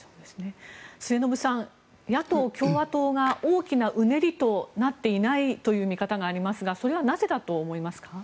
末延さん、野党・共和党が大きなうねりとなっていないという見方がありますがそれはなぜだと思いますか。